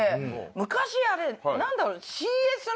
昔あれ何だろう？